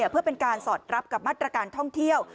เพื่อเป็นการสอดรับกับมาตรการท่องเที่ยว